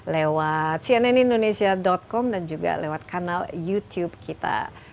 lewat cnnindonesia com dan juga lewat kanal youtube kita